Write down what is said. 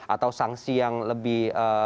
atau sanksi yang lebih